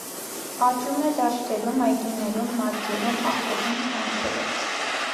Աճում է դաշտերում, այգիներում, մարգերում, աղբոտում ցանքերը։